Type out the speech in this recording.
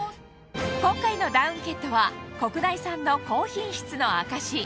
今回のダウンケットは国内産の高品質の証し